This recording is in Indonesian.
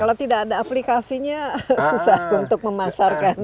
kalau tidak ada aplikasinya susah untuk memasarkan untuk mempromosikan